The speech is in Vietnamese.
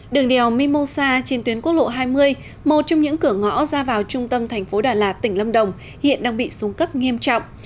đường đèo mimosa trên tuyến quốc lộ hai mươi một trong những cửa ngõ ra vào trung tâm thành phố đà lạt tỉnh lâm đồng hiện đang bị xuống cấp nghiêm trọng